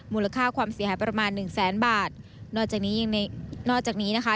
มูลค่าความเสียหายประมาณหนึ่งแสนบาทนอกจากนี้ยังในนอกจากนี้นะคะ